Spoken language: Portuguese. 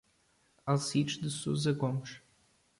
Alcides de Souza Gomes